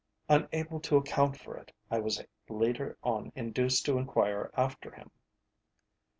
Unable to account for it, I was later on induced to enquire after him.